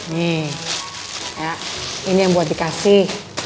nih ini yang buat dikasih